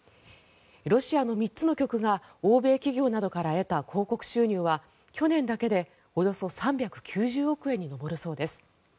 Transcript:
ロシアの３つの局が欧米企業などから得た広告収入は去年だけでおよそ３９０億円に上るそうです。